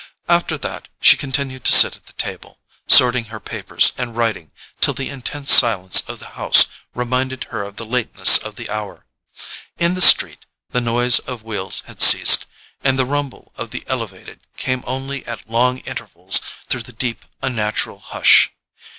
After that she continued to sit at the table, sorting her papers and writing, till the intense silence of the house reminded her of the lateness of the hour. In the street the noise of wheels had ceased, and the rumble of the "elevated" came only at long intervals through the deep unnatural hush.